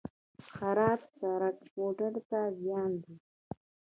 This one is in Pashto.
په خراب سړک موټر ته زیان دی.